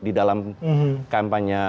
di dalam kampanye